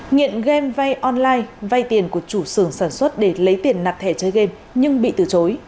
nghiện game vay online vay tiền của chủ sưởng sản xuất để lấy tiền nạt thẻ chơi game nhưng bị từ chối